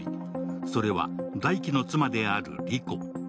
それは大樹の妻である莉子。